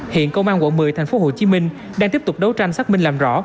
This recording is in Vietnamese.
hiện công an quận một mươi thành phố hồ chí minh đang tiếp tục đấu tranh xác minh làm rõ